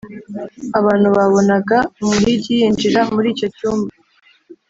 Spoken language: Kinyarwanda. abantu babonaga umuhigi yinjira muri icyo cyumba